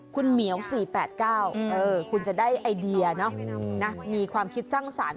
คุณเหมียว๔๘๙คุณจะได้ไอเดียมีความคิดสร้างสรรค์